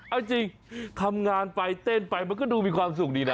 เอาจริงทำงานไปเต้นไปมันก็ดูมีความสุขดีนะ